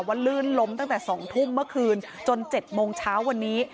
ลื่นล้มตั้งแต่๒ทุ่มเมื่อคืนจน๗โมงเช้าวันนี้